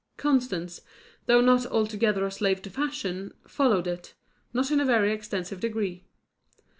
Constance, though not altogether a slave to fashion, followed it, not in a very extensive degree.